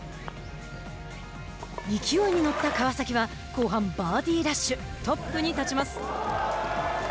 勢いに乗った川崎は、後半、バーディーラッシュ、トップに立ちます。